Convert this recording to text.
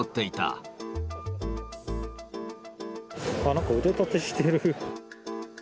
なんか腕立てしてる。